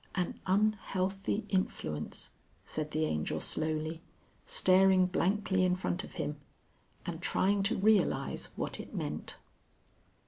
"An unhealthy influence," said the Angel slowly, staring blankly in front of him, and trying to realise what it meant.